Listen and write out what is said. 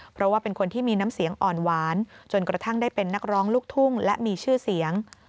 เพราะว่าเป็นคนที่มีน้ำเสียงอ่อนหวานจนกระทั่งได้เป็นนักร้องลูกทุ่งและมีชื่อเสียง